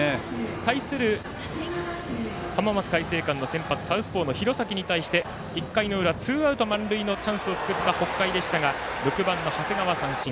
対する浜松開誠館の先発サウスポーの廣崎に対して１回の裏ツーアウト満塁のチャンスを作った北海６番の長谷川は三振。